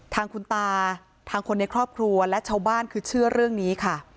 ทางคุณตาทางคนในครอบครัวและชาวบ้านคือเชื่อเรื่องนี้ค่ะ